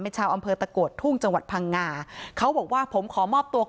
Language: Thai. แม่ชาวอ่านเพิร์นตระกดทุ่งจังหวัดพังงาเขาบอกว่าผมขอมอบตัวก่อน